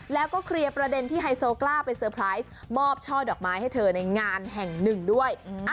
แล้วก็เคลียร์ประเด็นที่ไฮโซกล้าไปเซอร์ไพรส์มอบช่อดอกไม้ให้เธอในงานแห่งหนึ่งด้วย